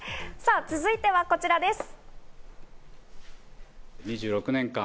続いてはこちらです。